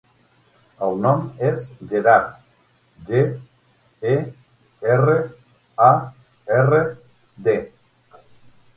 El nom és Gerard: ge, e, erra, a, erra, de.